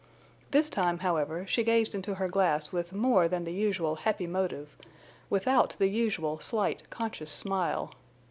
This time, however, she gazed into her glass with more than the usual happy motive, without the usual slight conscious smile.